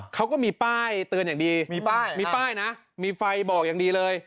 เขาก็มีป้ายเตือนอย่างดีมีป้ายมีป้ายนะมีไฟบอกอย่างดีเลย